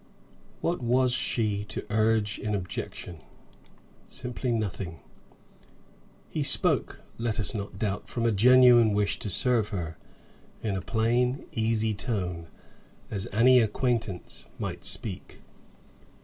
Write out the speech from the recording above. What was she to urge in objection? Simply nothing. He spoke, let us not doubt, from a genuine wish to serve her, in a plain, easy tone, as any acquaintance might speak.